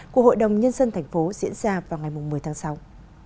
của hội đồng nhân dân tp hcm diễn ra vào ngày một mươi tháng sáu